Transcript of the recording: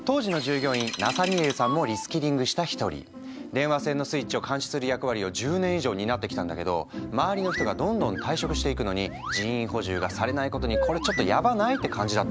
電話線のスイッチを監視する役割を１０年以上担ってきたんだけど周りの人がどんどん退職していくのに人員補充がされないことにこれちょっとやばない？って感じだったんだって。